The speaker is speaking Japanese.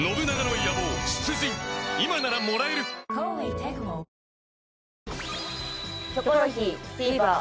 ペイトク『キョコロヒー』ＴＶｅｒ